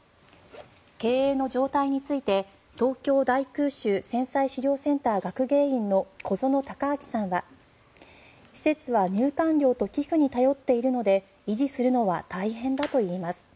経営の状態について東京大空襲・戦災資料センター学芸員の小薗崇明さんは施設は入館料と寄付に頼っているので維持するのは大変だといいます。